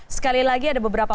sekali lagi ada beberapa